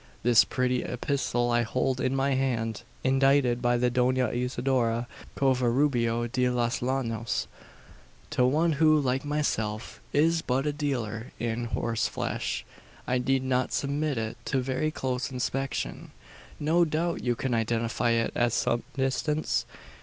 "This pretty epistle I hold in my hand, indited by the Dona Isidora Covarubio de los Llanos, to one who, like myself, is but a dealer in horseflesh. I need not submit it to very close inspection. No doubt you can identify it at some distance?"